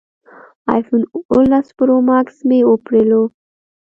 ایفون اوولس پرو ماکس مې وپېرلو